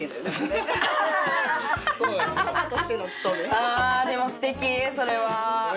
あでもすてきそれは。